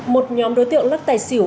một nhóm đối tượng lắc tài xỉu